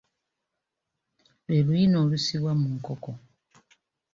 Lwe luyina olusibwa mu nkoko.